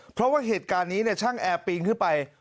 เพราะว่าเหตุการณ์นี้ช่างแอร์ปีนขึ้นไป